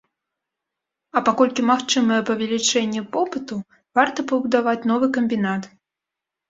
А паколькі магчымае павелічэнне попыту, варта пабудаваць новы камбінат.